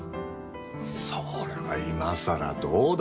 それは今さらどうだ？